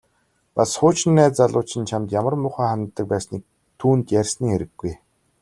Бас хуучин найз залуу чинь чамд ямар муухай ханддаг байсныг түүнд ярьсны хэрэггүй.